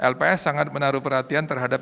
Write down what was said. lps sangat menaruh perhatian terhadap